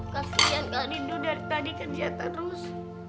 kasian kak rindu dari tadi kerja terus